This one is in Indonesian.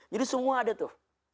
jadi semua ada tuh